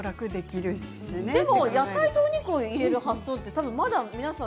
でも野菜とお肉を入れる発想って皆さん